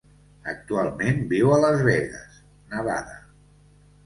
Actualment viu a Las Vegas, Nevada.